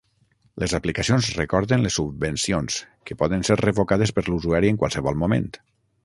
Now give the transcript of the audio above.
Les aplicacions recorden les subvencions, que poden ser revocades per l'usuari en qualsevol moment.